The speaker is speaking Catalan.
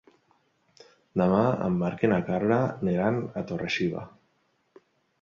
Demà en Marc i na Carla aniran a Torre-xiva.